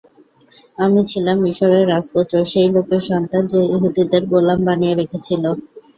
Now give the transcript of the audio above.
আমি ছিলাম মিশরের রাজপুত্র, সেই লোকের সন্তান, যে ইহুদীদের গোলাম বানিয়ে রেখেছিল।